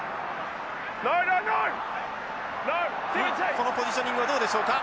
このポジショニングはどうでしょうか。